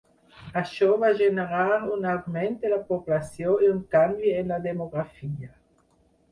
Això va generar un augment de la població i un canvi en la demografia.